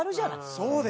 そうです